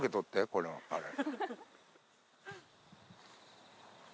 このあれ。